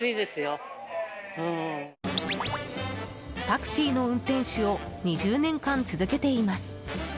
タクシーの運転手を２０年間続けています。